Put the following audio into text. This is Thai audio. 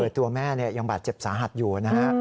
ตัวแม่ยังบาดเจ็บสาหัสอยู่นะฮะ